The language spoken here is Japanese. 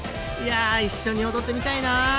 いや一緒に踊ってみたいな！